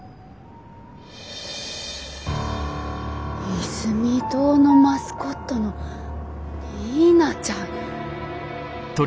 イズミ堂のマスコットのニーナちゃん。